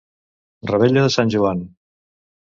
Revetlla de Sant Joan.